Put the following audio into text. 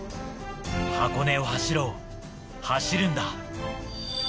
箱根を走ろう、走るんだ。